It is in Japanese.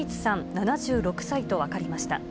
７６歳と分かりました。